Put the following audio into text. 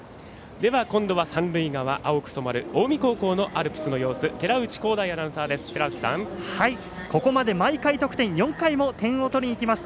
では、今度は三塁側青く染まる近江高校のアルプスの様子寺内皓大アナウンサーです。